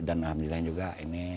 dan alhamdulillah juga ini